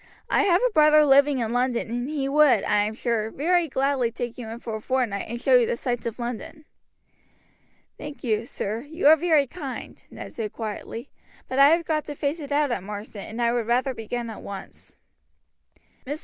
I have a brother living in London and he would, I am sure, very gladly take you in for a fortnight and show you the sights of London." "Thank you, sir, you are very kind," Ned said quietly; "but I have got to face it out at Marsden, and I would rather begin at once." Mr.